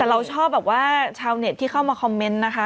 แต่เราชอบแบบว่าชาวเน็ตที่เข้ามาคอมเมนต์นะคะ